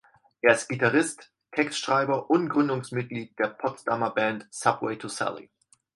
Er ist Gitarrist, Textschreiber und Gründungsmitglied der Potsdamer Band Subway to Sally.